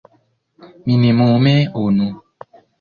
Minimume unu.